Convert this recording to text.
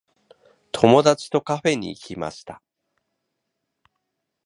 友達とカフェに行きました。